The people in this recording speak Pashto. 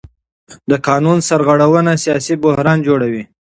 د قانون سرغړونه سیاسي بحران جوړوي